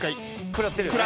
食らってるよね。